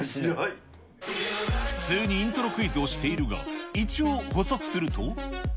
普通にイントロクイズをしているが、一応補足すると。